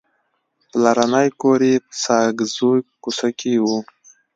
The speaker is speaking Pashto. پلرنی کور یې په ساګزو کوڅه کې و.